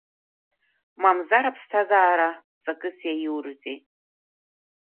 Мамзар, аԥсҭазаара ҵакыс иаиурызеи?